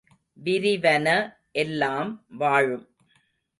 விரிவன எல்லாம் வாழும்.